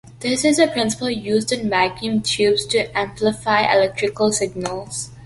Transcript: This is the principle used in vacuum tubes to amplify electrical signals.